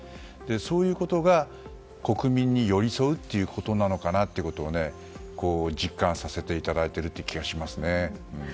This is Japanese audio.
そういうことが国民に寄り添うということなのかなと実感させていただいているという気がしますね。